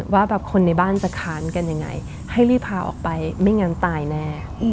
ว่าแบบคนในบ้านจะค้านกันยังไงให้รีบพาออกไปไม่งั้นตายแน่